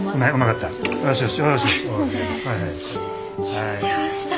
緊張した。